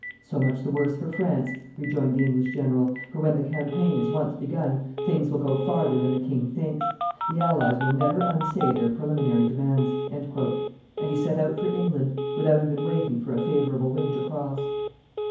"So much the worse for France," rejoined the English general; "for when the campaign is once begun, things will go farther than the king thinks. The allies will never unsay their preliminary demands." And he set out for England without even waiting for a favorable wind to cross.